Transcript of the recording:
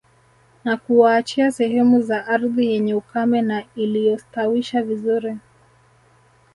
Na kuwaachia sehemu za ardhi yenye ukame na isiyostawisha vizuri